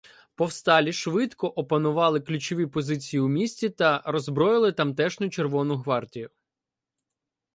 Повсталі швидко опанували ключові позиції у місті та роззброїли тамтешню Червону гвардію.